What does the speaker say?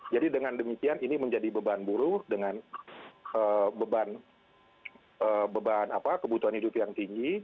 jadi dengan demikian ini menjadi beban buruh dengan beban kebutuhan hidup yang tinggi